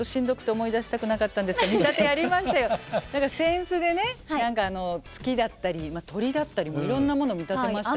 何か扇子でね月だったり鳥だったりもいろんなもの見立てましたよ。